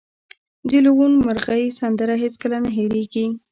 د لوون مرغۍ سندره هیڅکله نه هیریږي